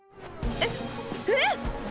えっええっ！？